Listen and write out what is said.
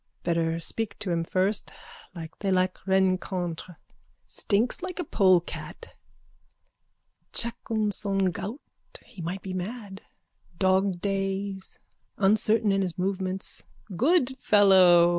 Better speak to him first. Like women they like rencontres. Stinks like a polecat. Chacun son goût. He might be mad. Dogdays. Uncertain in his movements. Good fellow!